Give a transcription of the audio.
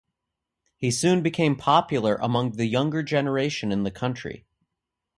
He soon became popular among the younger generation in the country.